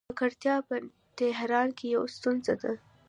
ککړتیا په تهران کې یوه ستونزه ده.